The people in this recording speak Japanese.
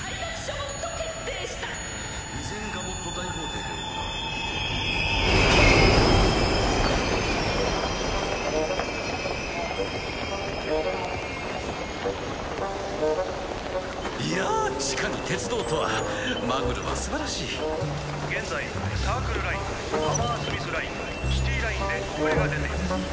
ウィゼンガモット大法廷で行われるいやー地下に鉄道とはマグルは素晴らしい現在サークル・ラインハマースミス・ラインシティ・ラインで遅れが出ています